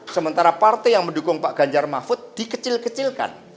sementara partai yang mendukung pak ganjar mahfud dikecil kecilkan